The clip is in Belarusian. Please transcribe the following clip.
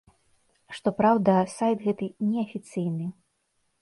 Што праўда, сайт гэты неафіцыйны.